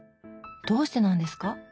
どうしてなんですか？